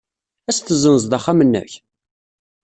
Ad as-tessenzeḍ axxam-nnek?